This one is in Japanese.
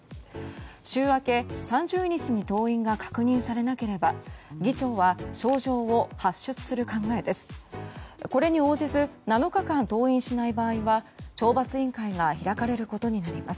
週明け３０日に登院が確認されなければ議長は招状を発出する考えです。